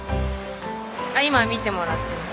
今見てもらってます。